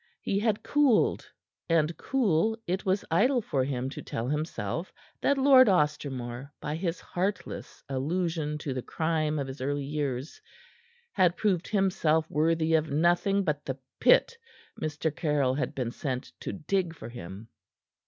He had cooled, and cool it was idle for him to tell himself that Lord Ostermore, by his heartless allusion to the crime of his early years, had proved himself worthy of nothing but the pit Mr. Caryll had been sent to dig for him.